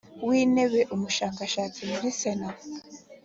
w Intebe Umushakashatsi muri Sena